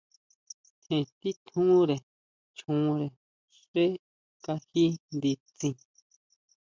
Tjen titjúnre choónre xé kají nditsin.